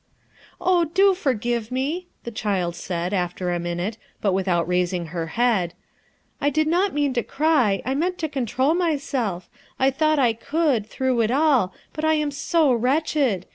"Oh, do forgive mel" the child said, after a minute, but without raising her head, "I did not mean to cry, I meant to control myietf; I thought I could, through it all, but I am m wretched!